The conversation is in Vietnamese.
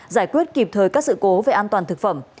giải quyết kịp thời các sự cố về an toàn thực phẩm